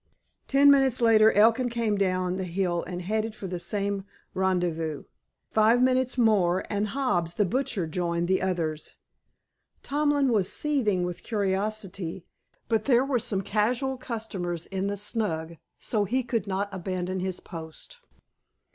Ten minutes later Elkin came down the hill, and headed for the same rendezvous. Five minutes more, and Hobbs, the butcher, joined the others. Tomlin was seething with curiosity, but there were some casual customers in the "snug," so he could not abandon his post.